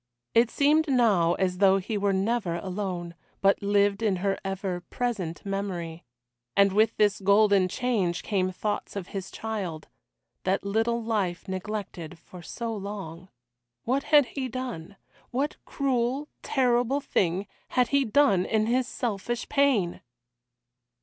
It seemed now as though he were never alone, but lived in her ever present memory. And with this golden change came thoughts of his child that little life neglected for so long. What had he done? What cruel, terrible thing had he done in his selfish pain?